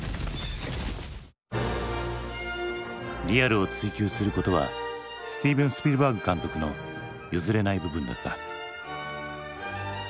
リアルを追求することはスティーブン・スピルバーグ監督の譲れない部分だった。